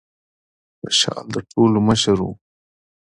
خوشال د ټولو مشر و.